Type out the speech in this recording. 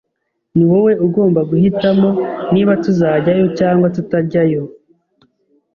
Ni wowe ugomba guhitamo niba tuzajyayo cyangwa tutajyayo.